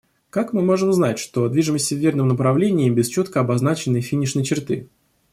Как мы можем знать, что движемся в верном направлении, без четко обозначенной финишной черты?